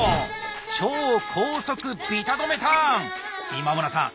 今村さん